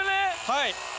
はい。